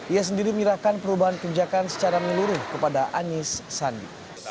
ia sendiri menyerahkan perubahan kerjakan secara meluruh kepada anies sandi